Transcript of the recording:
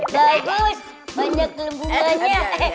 bagus banyak gelembungannya